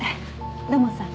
土門さん